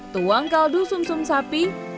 tuang kaldu sum sum sapi